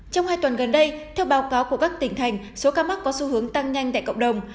trong hai tuần gần đây theo báo cáo của các tỉnh thành số ca mắc có xu hướng tăng nhanh tại cộng đồng